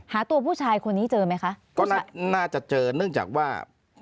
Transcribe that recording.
หาตัวผู้ชายคนนี้จะมียังมายังจากว่า